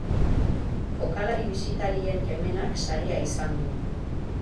Jokalari bisitarien kemenak saria izan du.